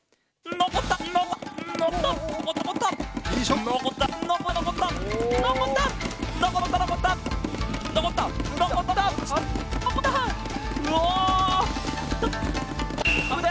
のこった！